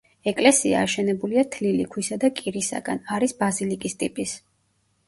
ეკლესია აშენებულია თლილი ქვისა და კირისაგან, არის ბაზილიკის ტიპის.